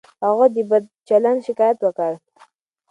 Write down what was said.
هغه د بد چلند شکایت وکړ.